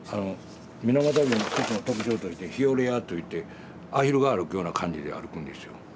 水俣病の一つの特徴として「ヒョレア」といってアヒルが歩くような感じで歩くんですよ。